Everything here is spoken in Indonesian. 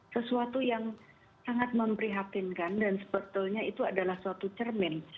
sesuatu yang sangat memprihatinkan dan sebetulnya itu adalah suatu cermin